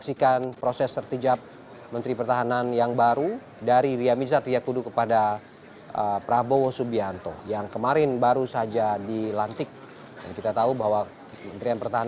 indonesia raya berdeka berdeka tanahku dunia dan hidup yang ku cinta